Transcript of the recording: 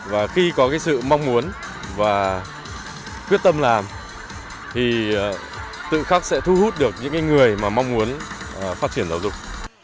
và khi có cái sự mong muốn và quyết tâm làm thì tự khắc sẽ thu hút được những người mà mong muốn phát triển giáo dục